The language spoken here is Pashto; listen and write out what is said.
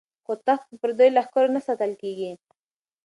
خو تخت په پردیو لښکرو نه ساتل کیږي.